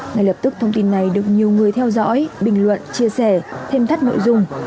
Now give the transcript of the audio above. ngay lập tức thông tin này được nhiều người theo dõi bình luận chia sẻ thêm thắt nội dung